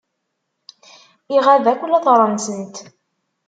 Iɣab akk later-nsent.